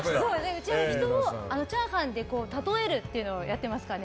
うち、人をチャーハンで例えるっていうのをやっていますからね。